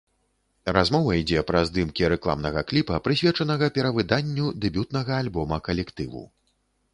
Размова ідзе пра здымкі рэкламнага кліпа, прысвечанага перавыданню дэбютнага альбома калектыву.